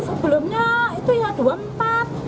sebelumnya itu ya dua puluh empat